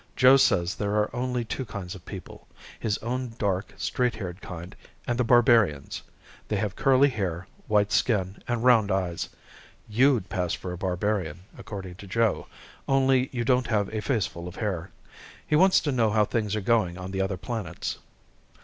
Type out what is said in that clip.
"Joe says there are only two kinds of people, his own dark, straight haired kind and the barbarians. They have curly hair, white skin and round eyes. You'd pass for a barbarian, according to Joe, only you don't have a faceful of hair. He wants to know how things are going on the other planets."